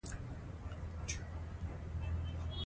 ازادي راډیو د بیکاري وضعیت انځور کړی.